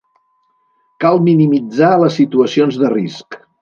Cal minimitzar les situacions de risc.